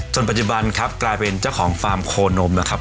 ปัจจุบันครับกลายเป็นเจ้าของฟาร์มโคนมนะครับ